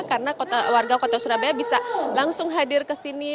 karena warga kota surabaya bisa langsung hadir ke sini